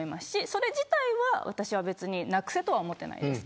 それ自体は別になくせと思っていないです。